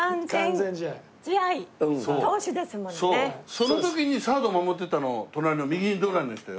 その時にサードを守ってたの隣の右隣の人よ。